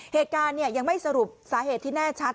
เหตุการณ์ยังไม่สรุปสาเหตุที่แน่ชัด